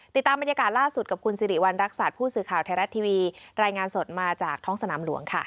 ติดตามบรรยากาศล่าสุดกับคุณสิริวัณรักษัตริย์ผู้สื่อข่าวไทยรัฐทีวีรายงานสดมาจากท้องสนามหลวงค่ะ